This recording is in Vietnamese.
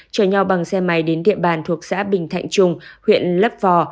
chở nhau bằng xe máy đến địa bàn thuộc xã bình thạnh trung huyện lấp vò